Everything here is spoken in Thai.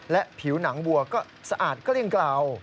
และผิวหนังวัวก็สะอาดเกลี้ยงกล่าว